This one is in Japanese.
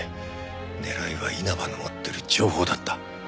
狙いは稲葉の持ってる情報だった。